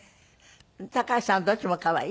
高橋さんはどっちも可愛い？